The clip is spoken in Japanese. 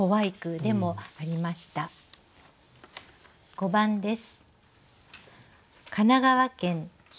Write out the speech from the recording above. ５番です。